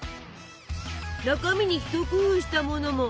中身に一工夫したものも。